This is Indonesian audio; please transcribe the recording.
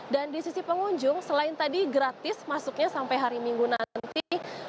dan disisi pengunjung selain tadi gratis masuknya sampai hari minggu nanti